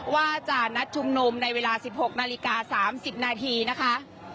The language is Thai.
ว่าจะนัดชุมนุมในเวลา๑๖นาฬิกา๓๐นาทีนะคะ